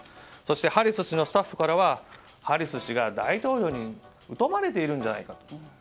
そしてハリス氏のスタッフからはハリス氏が大統領に疎まれているんじゃないか。